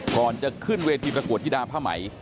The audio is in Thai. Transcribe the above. ก่อนจะขึ้นแวทีประกวดทิดาพมัย